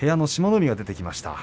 海が出てきました。